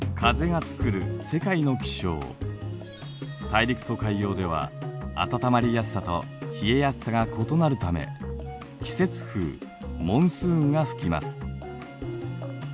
大陸と海洋では暖まりやすさと冷えやすさが異なるため季節風モンスーンが吹きます。